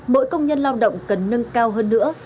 mỗi công nhân lao động cần nâng cao hơn nữa